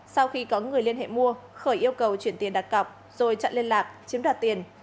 sau khi có người liên hệ mua khởi yêu cầu chuyển tiền đặt cọc rồi chặn liên lạc chiếm đoạt tiền